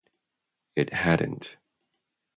It hadn’t.